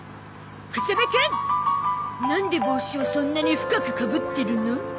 風間くんなんで帽子をそんなに深くかぶってるの？